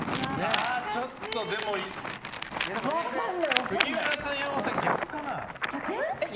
でも杉浦さん、山本さん逆かな？